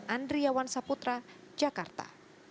andriawan saputra jakarta